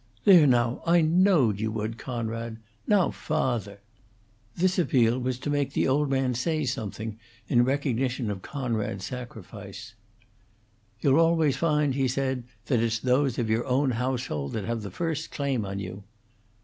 "There, now, I knowed you would, Coonrod. Now, fawther!" This appeal was to make the old man say something in recognition of Conrad's sacrifice. "You'll always find," he said, "that it's those of your own household that have the first claim on you."